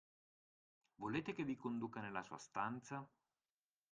Volete che vi conduca nella sua stanza?